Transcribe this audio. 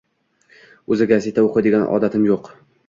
Oʻzi gazeta oʻqiydigan odatim yoʻq.